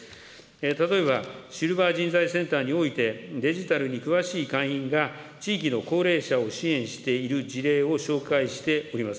例えば、シルバー人材センターにおいて、デジタルに詳しい会員が地域の高齢者を支援している事例を紹介しております。